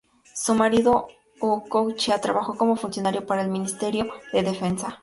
Su marido, Ou Kong Chea, trabajó como funcionario para el Ministerio de Defensa.